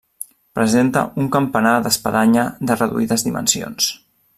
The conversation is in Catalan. Presenta un campanar d'espadanya de reduïdes dimensions.